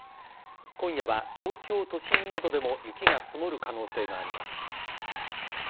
今夜は東京都心などでも雪が積もる可能性があります。